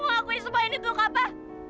mau ngelakuin semua ini untuk apa